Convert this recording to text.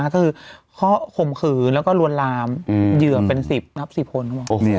ก็คือข้อข่มขืนแล้วก็ลวนลามเหยื่อเป็นสิบนับสิบคนใช่ไหม